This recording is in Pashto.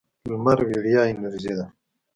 لمر وړیا انرژي ده.